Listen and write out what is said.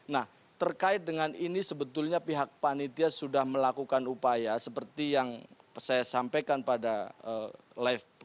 nah terkait dengan ini sebetulnya pihak panitia sudah melakukan upaya seperti yang saya sampaikan pada live